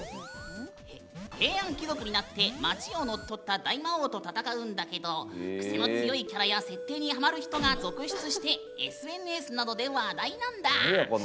平安貴族になって町を乗っ取った大魔王と戦うんだけどクセの強いキャラや設定にハマる人が続出してＳＮＳなどで話題なんだ。